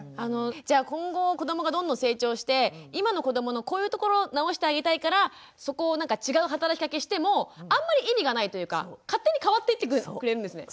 じゃあ今後子どもがどんどん成長して今の子どものこういうところ直してあげたいからそこをなんか違う働きかけしてもあんまり意味がないというか勝手に変わっていってくれるんですね？